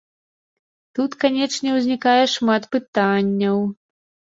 Тут, канечне, узнікае шмат пытанняў.